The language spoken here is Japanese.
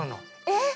えっ！